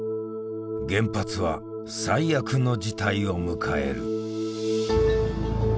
原発は最悪の事態を迎える。